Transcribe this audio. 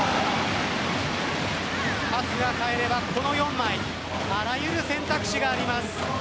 パスが返れば、この４枚あらゆる選択肢があります。